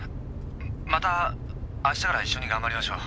またあしたから一緒に頑張りましょう。